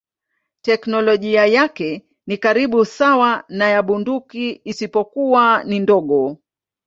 Teknolojia yake ni karibu sawa na ya bunduki isipokuwa ni ndogo.